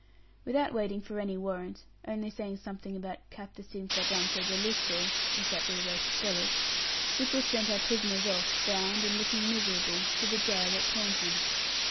Without waiting for any warrant, only saying something about 'captus in flagrante delicto,' if that be the way to spell it Stickles sent our prisoners off, bound and looking miserable, to the jail at Taunton.